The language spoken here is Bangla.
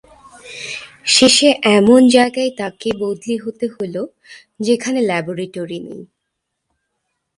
শেষে এমন জায়গায় তাঁকে বদলি হতে হল যেখানে ল্যাবরেটরি নেই।